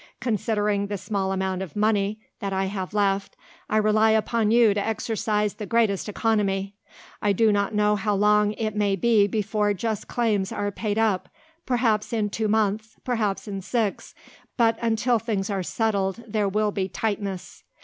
"Considering the small amount of money that I have left, I rely upon you to exercise the greatest economy. I do not know how long it may be before just claims are paid up perhaps in two months perhaps in six but until things are settled there will be tightness.